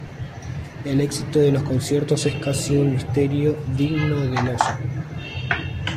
el éxito de los conciertos es casi un misterio digno de Del Oso